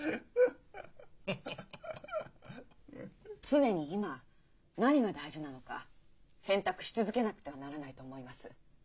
常に今何が大事なのか選択し続けなくてはならないと思います。